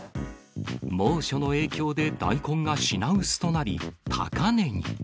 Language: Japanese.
猛暑の影響で大根が品薄となり、高値に。